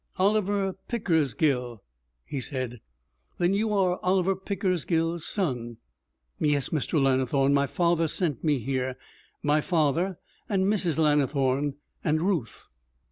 'Oliver Pickersgill?' he said. 'Then you are Oliver Pickersgill's son.' 'Yes, Mr. Lannithorne. My father sent me here my father, and Mrs. Lannithorne, and Ruth.'